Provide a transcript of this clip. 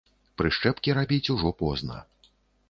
Прышчэпкі рабіць ужо позна.